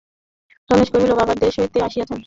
রমেশ কহিল, বাবা দেশ হইতে আসিয়াছেন।